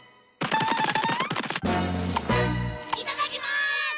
いただきます！